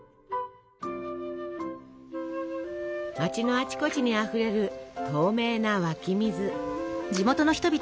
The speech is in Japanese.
街のあちこちにあふれる透明な湧き水。